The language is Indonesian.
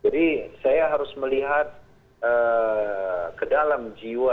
jadi saya harus melihat ke dalam jiwa